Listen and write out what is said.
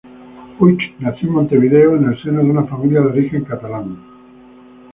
Puig nació en Montevideo, en el seno de una familia de origen catalán.